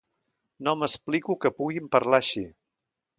No m'explico que puguin parlar així.